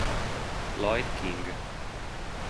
Loyd King